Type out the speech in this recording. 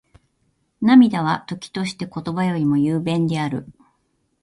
涙は、時として言葉よりも雄弁である。